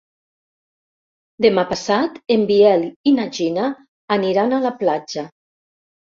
Demà passat en Biel i na Gina aniran a la platja.